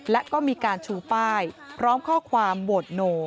และก็มีการชูป้ายพร้อมข้อความโหวตโน